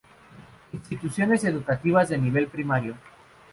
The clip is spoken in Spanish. Instituciones Educativas de Nivel Primario.